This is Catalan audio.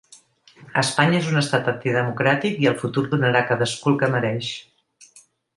Espanya és un estat antidemocràtic i el futur donarà a cadascú el que mereix.